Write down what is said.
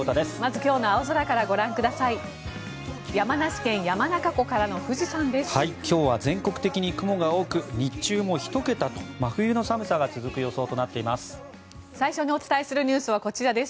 今日は全国的に雲が多く日中も１桁と真冬の寒さが続く予想となっています。